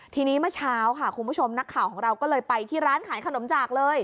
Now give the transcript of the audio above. ทีนี้เมื่อเช้าค่ะคุณผู้ชมนักข่าวของเราก็เลยไปที่ร้านขายขนมจากเลย